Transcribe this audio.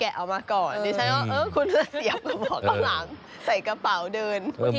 อ๋อแกะออกมาก่อนดิฉันว่าเออคุณจะเสียบกระบอกข้าวหลาม